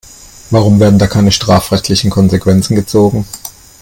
Warum werden da keine strafrechtlichen Konsequenzen gezogen?